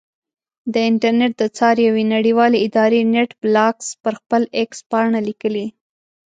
د انټرنېټ د څار یوې نړیوالې ادارې نېټ بلاکس پر خپل ایکس پاڼه لیکلي.